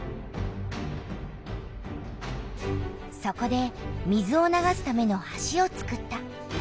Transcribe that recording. そこで水を流すための橋をつくった。